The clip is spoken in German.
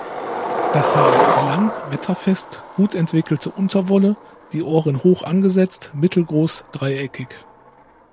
Das Haar ist lang, wetterfest, gut entwickelte Unterwolle, die Ohren hoch angesetzt, mittelgroß, dreieckig.